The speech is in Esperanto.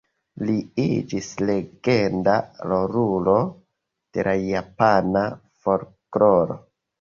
Li iĝis legenda rolulo de la japana folkloro.